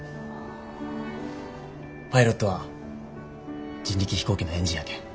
パイロットは人力飛行機のエンジンやけん。